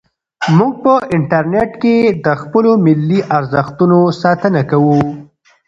موږ په انټرنیټ کې د خپلو ملي ارزښتونو ساتنه کوو.